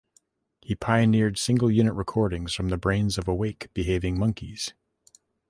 He pioneered single-unit recordings from the brains of awake, behaving monkeys.